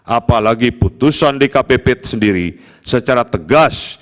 apalagi putusan dkpp sendiri secara tegas